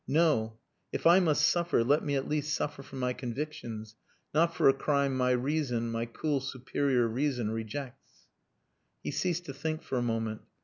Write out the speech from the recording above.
"No! If I must suffer let me at least suffer for my convictions, not for a crime my reason my cool superior reason rejects." He ceased to think for a moment.